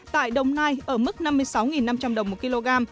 tại đồng nai ở mức năm mươi sáu năm trăm linh đồng một kg